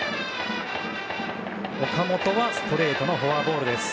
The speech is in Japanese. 岡本はストレートのフォアボールです。